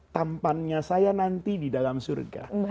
tampannya saya nanti di dalam surga